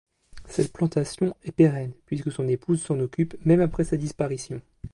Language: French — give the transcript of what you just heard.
Cette plantation est pérenne puisque son épouse s'en occupe même après sa disparition.